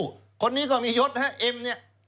มียศทั้งคู่คนนี้ก็มียศฮะเอ็มเนี่ย